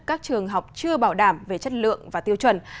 các trường học chưa bảo đảm về chất lượng và tiêu chuẩn